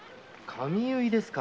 髪結いですか？